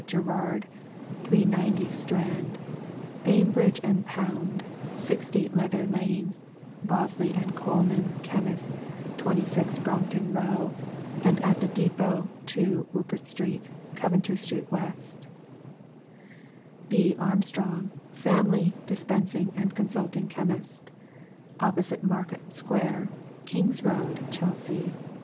Gerard, 390, Strand; Bainbridge and Pound, 60 Leather lane; Bosley and Coleman, Chemists, 26, Brompton row, and at the Depot, 2, Rupert street, Coventry street, W. B. ARMSTRONG, FAMILY, DISPENSING & CONSULTING CHEMIST. OPPOSITE MARKHAM SQUARE, KINGŌĆÖS ROAD, CHELSEA.